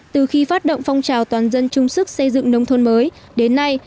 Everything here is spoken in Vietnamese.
từ khi phát động phong trào toàn dân chung sức xây dựng nông thôn mới đến nay